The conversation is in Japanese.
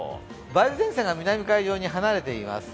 梅雨前線が南海上に離れています。